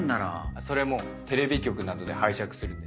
それもテレビ局などで拝借するんです。